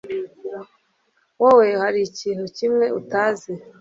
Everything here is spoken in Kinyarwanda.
wowe hari ikintu kimwe utazi